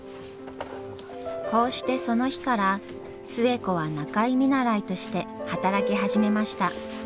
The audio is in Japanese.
こうしてその日から寿恵子は仲居見習いとして働き始めました。